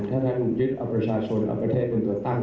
ถ้าถ้าผมยึดอัพพระชาชนอัพพระเทศคุณตัวตั้ง